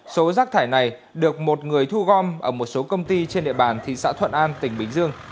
số rác thải này được một người thu gom ở một số công ty trên địa bàn thị xã thuận an tỉnh bình dương